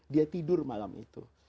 dia tidur malam itu